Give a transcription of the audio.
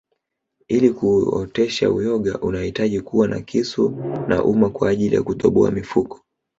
Ili kuotesha uyoga unahitaji kuwa na kisu na uma kwaajili ya kutoboa mifuko